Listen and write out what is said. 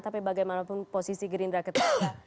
tapi bagaimanapun posisi gerindra ketika